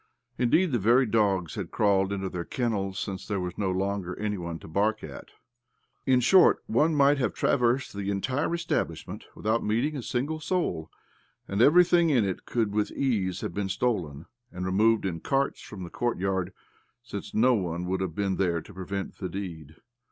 Indeed, the very dogs had crawled into their kennels, since there was no longer any one to bark at. In short, one might have traversed the entire estab lishment without meeting a single soul ; and everything in it could, with ease have been stolen, and removed in carts from the court yard, since no one would have been there OBLOMOV loi to prevent the deed